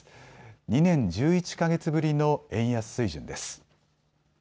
２年１１か月ぶりの円安水準です。